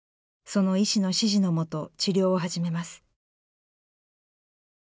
その医師の指示のもと治療を始めます。